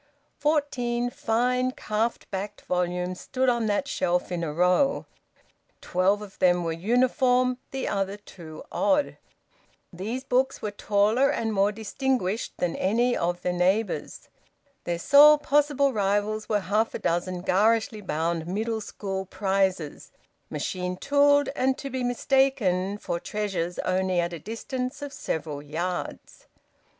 Fourteen fine calf backed volumes stood on that shelf in a row; twelve of them were uniform, the other two odd. These books were taller and more distinguished than any of their neighbours. Their sole possible rivals were half a dozen garishly bound Middle School prizes, machine tooled, and to be mistaken for treasures only at a distance of several yards.